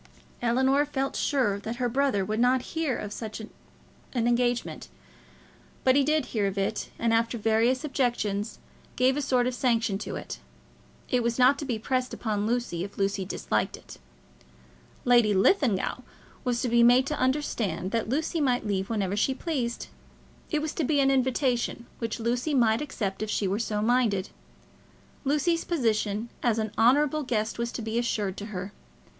Ellinor felt sure that her brother would not hear of such an engagement, but he did hear of it, and, after various objections, gave a sort of sanction to it. It was not to be pressed upon Lucy if Lucy disliked it. Lady Linlithgow was to be made to understand that Lucy might leave whenever she pleased. It was to be an invitation, which Lucy might accept if she were so minded. Lucy's position as an honourable guest was to be assured to her.